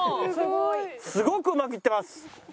すごくうまくいってます！